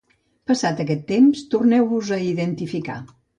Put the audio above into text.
Passat aquest temps, torneu-vos a identificar.